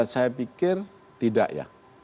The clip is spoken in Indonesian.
saya pikir tidak ya